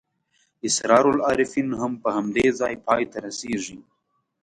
اسرار العارفین هم په همدې ځای پای ته رسېږي.